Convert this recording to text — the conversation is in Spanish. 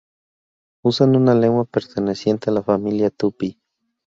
Usan una lengua perteneciente a la familia tupí.